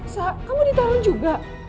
sa kamu ditaruh juga